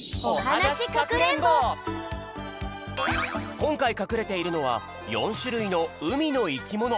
こんかいかくれているのは４しゅるいのうみのいきもの。